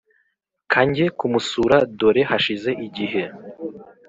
Kanjye kumusura dore hashize igihe